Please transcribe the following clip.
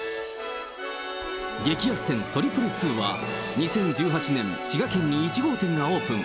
激安店、２２２は、２０１８年、滋賀県に１号店がオープン。